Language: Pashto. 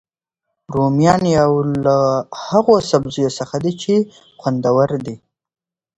رومیان یو له هغوسبزیو څخه دي چې خوندور دي